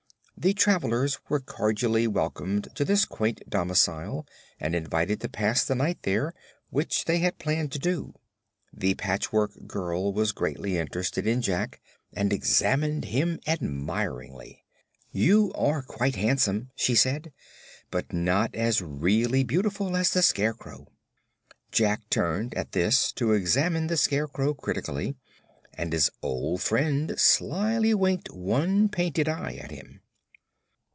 The travelers were cordially welcomed to this quaint domicile and invited to pass the night there, which they had planned to do. The Patchwork Girl was greatly interested in Jack and examined him admiringly. "You are quite handsome," she said; "but not as really beautiful as the Scarecrow." Jack turned, at this, to examine the Scarecrow critically, and his old friend slyly winked one painted eye at him.